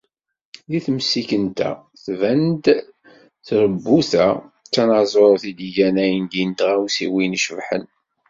Deg temsikent-a, tban-d trubut-a d tanaẓurt i d-igan ayendin d tiɣawsiwin icebḥen.